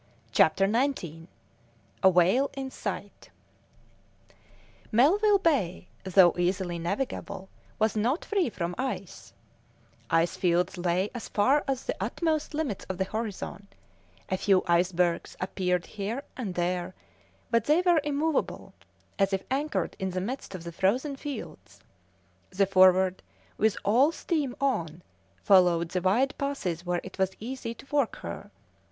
CHAPTER XIX A WHALE IN SIGHT Melville Bay, though easily navigable, was not free from ice; ice fields lay as far as the utmost limits of the horizon; a few icebergs appeared here and there, but they were immovable, as if anchored in the midst of the frozen fields. The Forward, with all steam on, followed the wide passes where it was easy to work her.